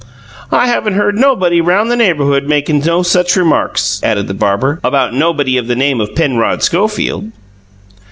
"I haven't heard nobody around the neighbourhood makin' no such remarks," added the barber, "about nobody of the name of Penrod Schofield."